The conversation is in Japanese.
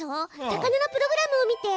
魚のプログラムを見て！